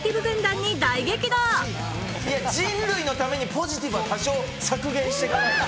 人類のためにポジティブは多少削減して行かないと。